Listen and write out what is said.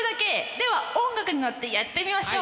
では音楽に乗ってやってみましょう。